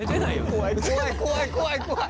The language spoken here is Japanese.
怖い怖い怖い怖い怖い。